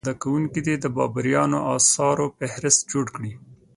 زده کوونکي دې د بابریانو اثارو فهرست جوړ کړي.